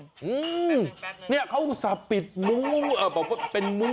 อืมนี่เขาสะปิดมุ้งเอ่อเป็นมุ้ง